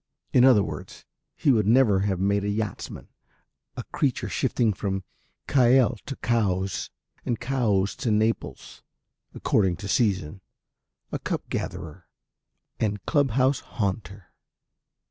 In other words he would never have made a yachtsman, a creature shifting from Keil to Cowes and Cowes to Naples according to season, a cup gatherer and club house haunter.